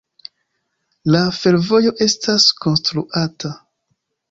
La fervojo estas konstruata.